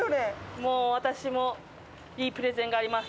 私もいいプレゼンがあります。